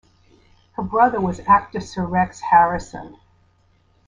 Her brother was actor Sir Rex Harrison.